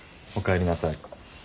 おかえりなさい。